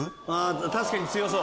確かに強そう。